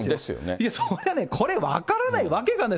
いや、それはこれは分からないわけがない。